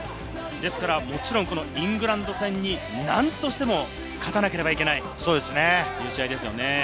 もちろんイングランド戦になんとしても勝たなければいけないという試合ですよね。